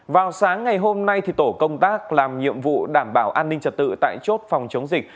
vào sáng ngày hôm nay tổ công tác làm nhiệm vụ đảm bảo an ninh trật tự tại chốt phòng chống dịch